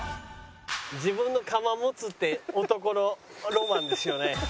自分の窯持つって男のロマンですよね。